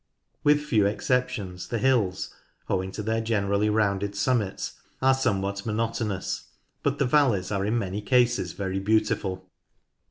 With few exceptions the hills, owing to their gener ally rounded summits, are somewhat monotonous, but the valleys are in many cases very beautiful.